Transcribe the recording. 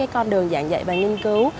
con đường giảng dạy và nghiên cứu